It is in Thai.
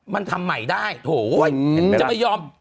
มันทำใหม่ได้โอ้โหเห็นไหมล่ะจะไม่ยอม